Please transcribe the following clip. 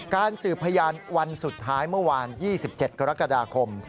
สืบพยานวันสุดท้ายเมื่อวาน๒๗กรกฎาคม